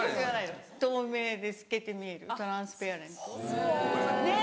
透明で透けて見えるトランスペアレントねっ！